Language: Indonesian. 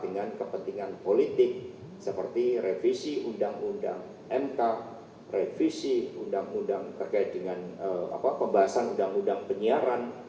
dan juga dengan kepentingan politik seperti revisi undang undang mk revisi undang undang terkait dengan pembahasan undang undang penyiaran